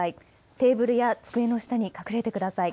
テーブルや机の下に隠れてください。